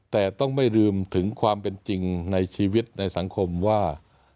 แต่ต้องไม่ลืมถึงความเป็นจริงในชีวิตในสังคมว่า